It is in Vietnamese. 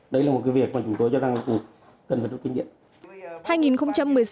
đấy là một cái việc mà chúng tôi cho rằng là cũng cần phải được kinh nghiệm